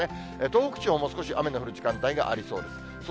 東北地方も少し雨の降る時間帯がありそうです。